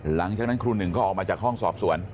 หลังจากนั้นครูหนึ่งก็ออกมาจากห้องสอบสวน